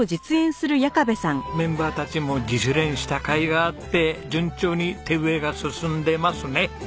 メンバーたちも自主練したかいがあって順調に手植えが進んでますね。